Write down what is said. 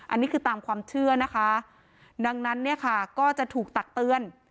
อันนี้คือตามความเชื่อนะคะดังนั้นเนี่ยค่ะก็จะถูกตักเตือน